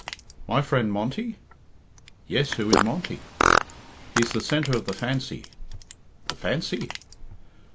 "My friend Monty?" "Yes; who is Monty?" "He's the centre of the Fancy." "The Fancy!"